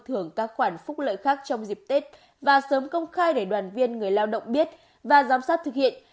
thưởng các khoản phúc lợi khác trong dịp tết và sớm công khai để đoàn viên người lao động biết và giám sát thực hiện